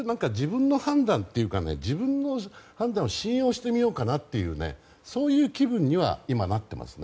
そういう自分の判断を信用してみようかなというそういう気分にはなっています。